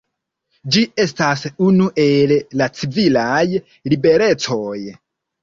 Ĝi estas unu el la civilaj liberecoj.